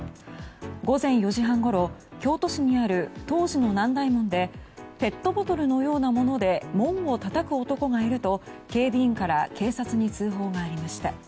午前４時半ごろ京都市にある東寺の南大門でペットボトルのようなもので門をたたく男がいると警備員から警察に通報がありました。